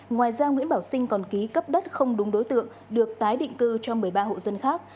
ngoài ra nguyễn bảo sinh còn ký cấp đất không đúng đối tượng được tái định cư cho một mươi ba hộ dân khác